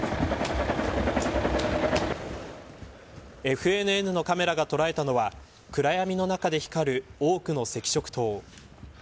ＦＮＮのカメラが捉えたのは暗闇の中で光る多くの赤色灯。